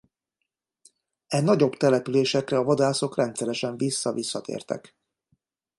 E nagyobb településekre a vadászok rendszeresen vissza-visszatértek.